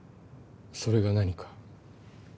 それが何か？